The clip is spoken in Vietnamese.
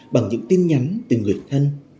bằng những tin nhắn từ người thân